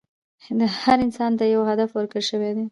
هر انسان ته یو هدف ورکړل شوی دی.